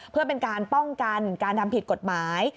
เพื่อเป็นการป้องกันการทำผิดกฎหมาย